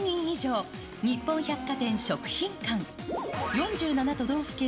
４７都道府県？